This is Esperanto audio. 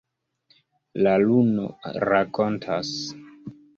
La luno rakontas.